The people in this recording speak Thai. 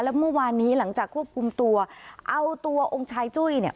และเมื่อวานนี้หลังจากควบคุมตัวเอาตัวองค์ชายจุ้ยเนี่ย